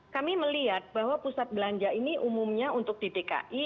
kami melihat bahwa pusat belanja ini umumnya untuk di dki